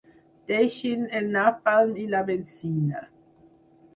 Deixin el napalm i la benzina.